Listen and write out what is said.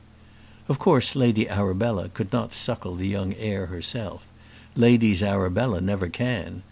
Of course Lady Arabella could not suckle the young heir herself. Ladies Arabella never can.